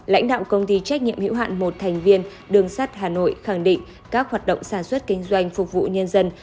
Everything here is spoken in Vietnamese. lãnh đạo công ty trách nhiệm hữu hạn một thành viên đường sắt hà nội khẳng định các hoạt động sản xuất kinh doanh phục vụ nhân dân